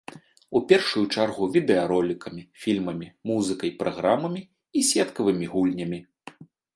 У першую чаргу відэаролікамі, фільмамі, музыкай, праграмамі і сеткавымі гульнямі.